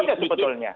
itu aja sebetulnya